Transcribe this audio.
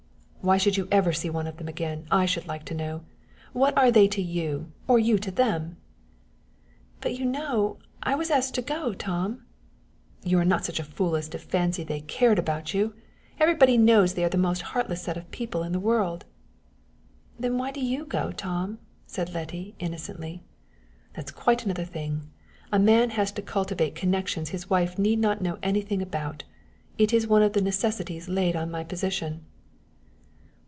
"Why should you ever see one of them again, I should like to know! What are they to you, or you to them?" "But you know I was asked to go, Tom!" "You're not such a fool as to fancy they cared about you! Everybody knows they are the most heartless set of people in the world!" "Then why do you go, Tom?" said Letty, innocently. "That's quite another thing! A man has to cultivate connections his wife need not know anything about. It is one of the necessities laid on my position."